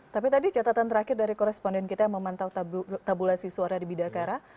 tapi tadi catatan terakhir dari koresponden kita yang memantau tabulasi suara di bidakara